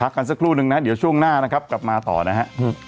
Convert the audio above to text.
กันสักครู่นึงนะเดี๋ยวช่วงหน้านะครับกลับมาต่อนะฮะ